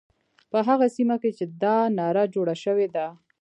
په هغه سیمه کې چې دا ناره جوړه شوې ده.